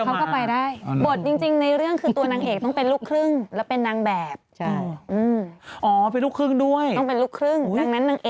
หน้าฝรั่งแล้วละครึ่ง